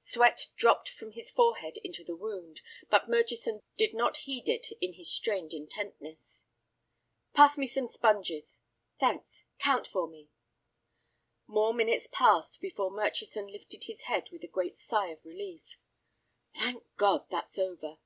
Sweat dropped from his forehead into the wound, but Murchison did not heed it in his strained intentness. "Pass me some sponges. Thanks. Count for me." More minutes passed before Murchison lifted his head with a great sigh of relief. "Thank God, that's over."